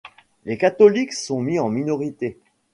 Les catholiques sont mis en minorité.